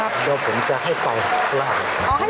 เดี๋ยวผมจะให้ไปข้างล่าง